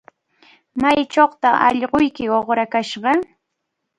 ¿Maychawtaq allquyki uqrakashqa?